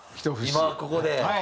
今ここで？